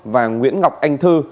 và nguyễn ngọc anh thư